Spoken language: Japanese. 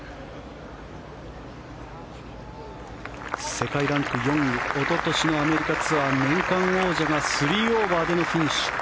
世界ランク４位おととしのアメリカツアー年間王者が３オーバーでのフィニッシュ。